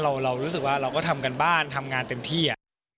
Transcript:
เรารู้สึกว่าเราก็ทำการบ้านทำงานเต็มที่